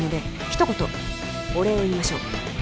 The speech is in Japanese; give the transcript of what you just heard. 一言お礼を言いましょう